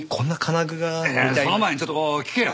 その前にちょっと聞けよ。